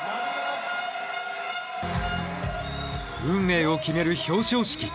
運命を決める表彰式。